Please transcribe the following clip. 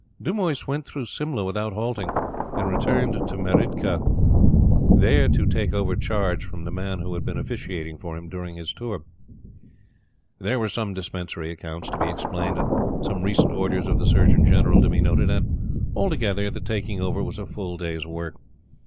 Dumoise went through Simla without halting, and returned to Meridki there to take over charge from the man who had been officiating for him during his tour. There were some Dispensary accounts to be explained, and some recent orders of the Surgeon General to be noted, and, altogether, the taking over was a full day's work.